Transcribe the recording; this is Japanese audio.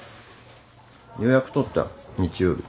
予約取った日曜日。